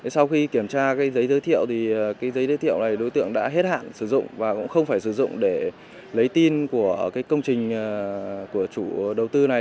sau khi kiểm tra giấy giới thiệu thì giấy giới thiệu này đối tượng đã hết hạn sử dụng và cũng không phải sử dụng để lấy tin của công trình của chủ đầu tư này